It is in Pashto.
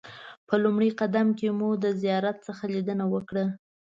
په لومړي قدم کې مو د زیارت څخه لیدنه وکړه.